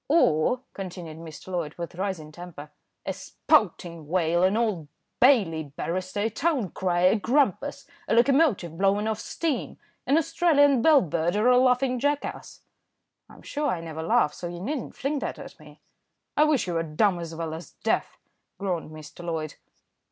"Or," continued Mr. Loyd with rising temper, "a spouting whale, an Old Bailey barrister, a town crier, a grampus, a locomotive blowing off steam, an Australian bell bird, or a laughing jackass?" "I'm sure I never laugh, so you needn't fling that at me." "I wish you were dumb as well as deaf," groaned Mr. Loyd.